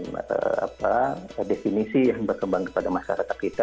apa definisi yang berkembang kepada masyarakat kita